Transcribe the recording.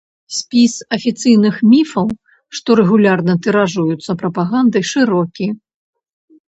Спіс афіцыйных міфаў, што рэгулярна тыражуюцца прапагандай, шырокі.